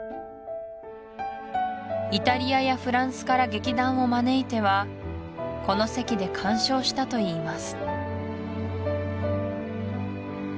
イタリアやフランスから劇団を招いてはこの席で鑑賞したといいます